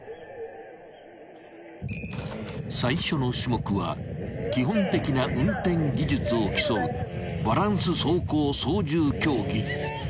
［最初の種目は基本的な運転技術を競うバランス走行操縦競技］